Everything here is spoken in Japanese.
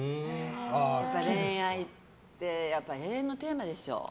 やっぱ恋愛って永遠のテーマでしょ。